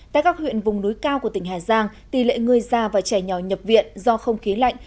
tại các huyện vùng núi cao của tỉnh hà giang tỷ lệ người già và trẻ nhỏ nhập viện do không khí lạnh